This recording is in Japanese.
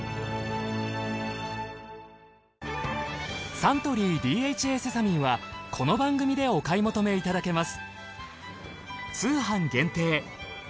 サントリーＤＨＡセサミンはこの番組でお買い求めいただけます。